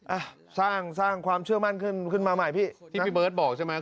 อ่ะสร้างสร้างความเชื่อมั่นขึ้นมาใหม่พี่ที่พี่เบิร์ตบอกใช่ไหม